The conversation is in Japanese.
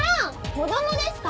子供ですか？